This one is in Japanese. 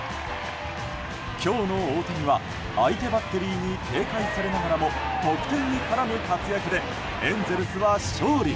今日の大谷は、相手バッテリーに警戒されながらも得点に絡む活躍でエンゼルスは勝利。